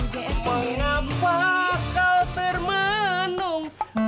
mengapa kau termenung